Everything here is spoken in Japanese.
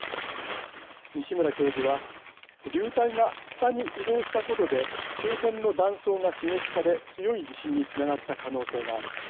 西村教授は流体が北に移動したことで周辺の断層が刺激され強い地震につながった可能性がある。